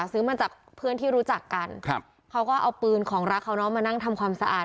ซื้อมาจากเพื่อนที่รู้จักกันครับเขาก็เอาปืนของรักเขาเนาะมานั่งทำความสะอาด